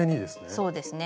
そうですね。